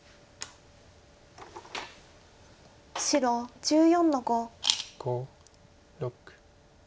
白１４の五。